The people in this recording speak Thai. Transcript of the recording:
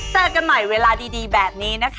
เจอกันใหม่เวลาดีแบบนี้นะคะ